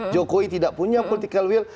jokowi tidak punya political will